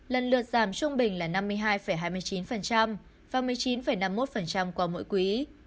lần lượt giảm trung bình là năm mươi hai hai mươi chín và một mươi chín năm mươi một qua mỗi quý